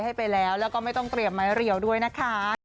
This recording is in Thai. นี่ก็คือเป็นคนที่เราแบบเรารัก